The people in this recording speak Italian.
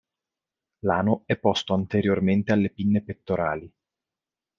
L'ano è posto anteriormente alle pinne pettorali.